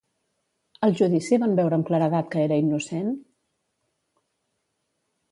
Al judici van veure amb claredat que era innocent?